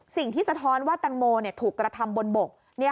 สิ่งที่สะท้อนว่าตังโมถูกกระทำบนบก